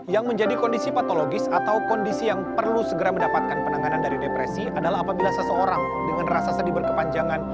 yang menjadi kondisi patologis atau kondisi yang perlu segera mendapatkan penanganan dari depresi adalah apabila seseorang dengan rasa sedih berkepanjangan